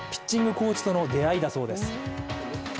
コーチとの出会いだそうです